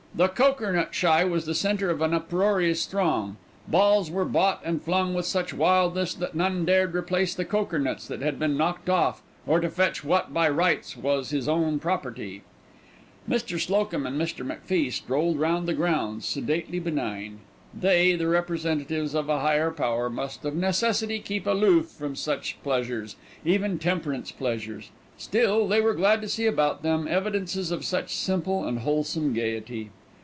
The cokernut shy was the centre of an uproarious throng. Balls were bought and flung with such wildness that none dared to replace the cokernuts that had been knocked off, or to fetch what by rights was his own property. Mr. Slocum and Mr. McFie strolled round the grounds, sedately benign. They, the representatives of a Higher Power, must of necessity keep aloof from such pleasures, even temperance pleasures; still, they were glad to see about them evidences of such simple and wholesome gaiety.